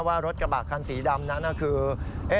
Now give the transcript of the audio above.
ว่ารถกระบะคันสีดำนั้นคือ